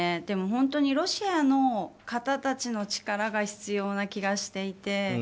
でもロシアの方たちの力が必要な気がしていて。